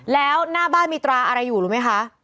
แล้วหน้าบ้านมีตราอะไรอยู่รู้ไหมคะ